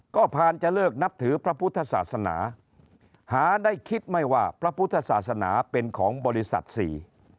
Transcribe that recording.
ก็ผ่านจะเลิกนับถือพระพุทธศาสนาหาได้คิดไม่ว่าพระพุทธศาสนาเป็นของบริษัทสี่